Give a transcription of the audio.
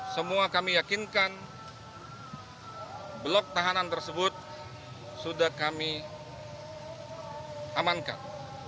semua kami yakinkan blok tahanan tersebut sudah kami amankan